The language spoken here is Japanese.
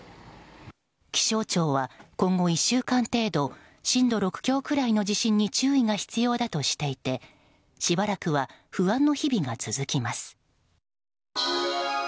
気象庁は今後１週間程度震度６強くらいの地震に注意が必要だとしてしばらくは不安の日々が続きます。